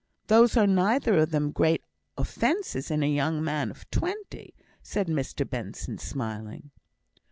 "Those are neither of them great offences in a young man of twenty," said Mr Benson, smiling.